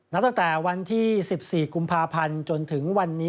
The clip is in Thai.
ตั้งแต่วันที่๑๔กุมภาพันธ์จนถึงวันนี้